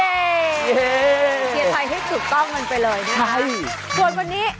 เทียร์ไทยให้สูบกล้องมันไปเลยนะครับ